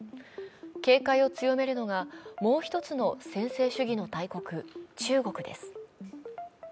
警戒を強めるのが、もう１つの専制主義の大国、中国です。